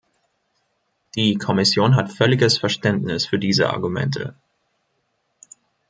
Die Kommission hat völliges Verständnis für diese Argumente.